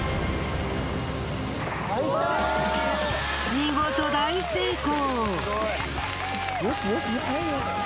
見事大成功！！